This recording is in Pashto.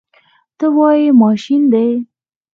ته وایې ماشین دی.